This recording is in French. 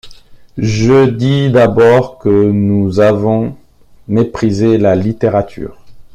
Je dis d’abord que nous avons méprisé la littérature.